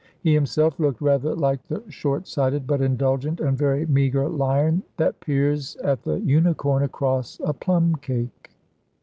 He himself looked rather like the short sighted, but indulgent and very meagre lion that peers at the unicorn across a plum cake.